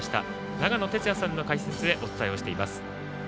長野哲也さんの解説でお伝えをしています。